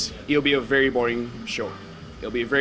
itu akan menjadi persembahan yang sangat membosankan